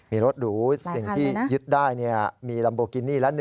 มีรถหรูสิ่งที่ยึดได้มีลัมโบกินี่ละ๑